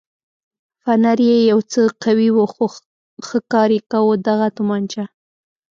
فنر یې یو څه قوي و خو ښه کار یې کاوه، دغه تومانچه.